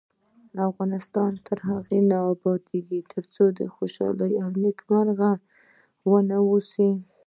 افغانستان تر هغو نه ابادیږي، ترڅو خوشحاله او نیکمرغه ونه اوسو.